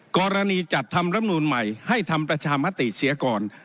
จัดทำรำนูลใหม่ให้ทำประชามติเสียก่อน